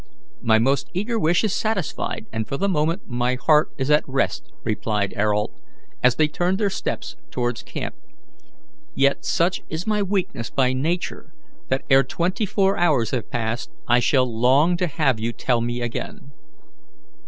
"My most eager wish is satisfied, and for the moment my heart is at rest," replied Ayrault, as they turned their steps towards camp. "Yet, such is my weakness by nature, that, ere twenty four hours have passed I shall long to have you tell me again."